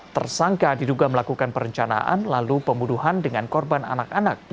tersangka diduga melakukan perencanaan lalu pembunuhan dengan korban anak anak